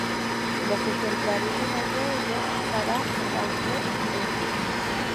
Los ejemplares de dos de ellos, 'Sarah Van Fleet' y 'Dr.